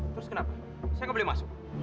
terus kenapa saya nggak boleh masuk